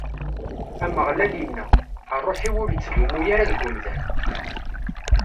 Ameɣlal inna: Ṛṛuḥ-iw ur ittdumu ara deg umdan.